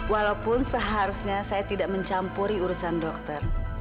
walaupun seharusnya saya tidak mencampuri urusan dokter